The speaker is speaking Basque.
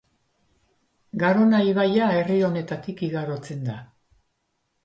Garona ibaia herri honetatik igarotzen da.